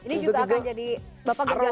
ini juga akan jadi pekerjaan untuk ini